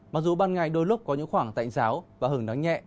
mặc dù ban ngày đôi lúc có những khoảng tạnh giáo và hứng nắng nhẹ